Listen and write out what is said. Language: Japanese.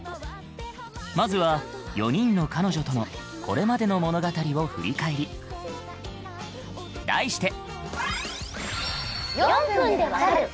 まずは４人の彼女とのこれまでの物語を振り返り題して！